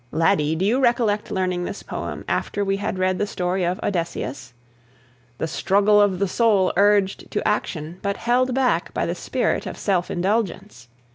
Laddie, do you recollect learning this poem after we had read the story of "Odysseus"? "The struggle of the soul urged to action, but held back by the spirit of self indulgence."